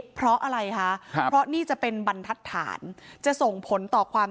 เพราะอะไรคะเพราะนี่จะเป็นบันทัดฐานจะส่งผลต่อความ